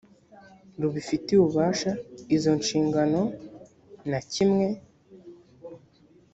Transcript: rubifitiye ububasha izo nshingano na kimwe